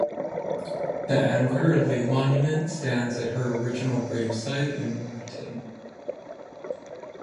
The Anne Carter Lee Monument stands at her original gravesite in Warrenton.